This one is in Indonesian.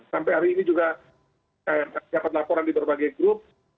sampai hari ini juga dapat laporan di berbagai grup